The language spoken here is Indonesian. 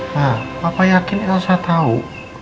nah papa yakin elsa tahu